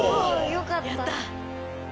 よかった。